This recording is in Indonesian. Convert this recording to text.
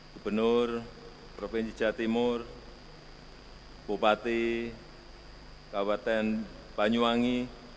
gubernur provinsi jawa timur bupati kabupaten banyuwangi